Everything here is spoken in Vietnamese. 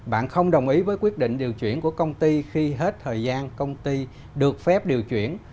bạn không đồng ý với quyết định điều chuyển của công ty khi hết thời gian công ty được phép điều chuyển